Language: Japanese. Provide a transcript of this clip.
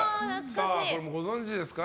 これもご存じですか？